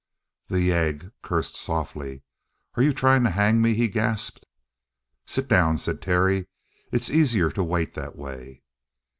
The yegg cursed softly. "Are you trying to hang me?" he gasped. "Sit down," said Terry. "It's easier to wait that way."